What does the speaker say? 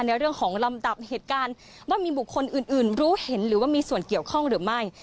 ในเรื่องของลำดับเหตุการณ์ว่ามีบุคคลอื่นรู้เห็นหรือว่ามีส่วนเกี่ยวข้องหรือไม่